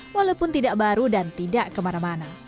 walaupun tidak baru dan tidak kemana mana